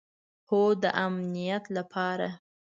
هو، د امنیت لپاره